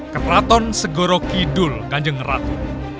keraton segoro kidul ganjeng ratu